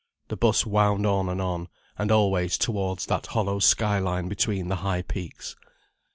The 'bus wound on and on, and always towards that hollow sky line between the high peaks.